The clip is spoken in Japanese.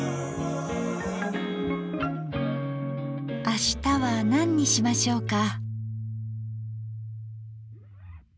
明日は何にしましょうか。